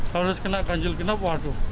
harus kena ganjil genap waduh